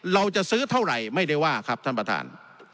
เราจะซื้อเท่าไหร่ไม่ได้ว่าครับท่านประธาน